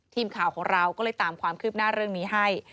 ทีมข่าวของเราก็เลยตามความคืบหน้าเรื่องนี้ให้